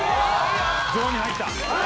ゾーンに入った！